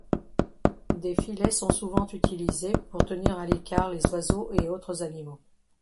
Des filets sont souvent utilisés pour tenir à l’écart les oiseaux et autres animaux.